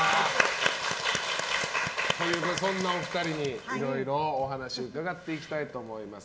そんなお二人にいろいろお話を伺っていきたいと思います。